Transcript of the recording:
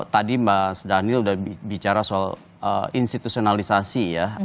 tadi mas daniel sudah bicara soal institusionalisasi ya